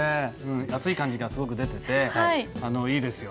暑い感じがすごく出てていいですよ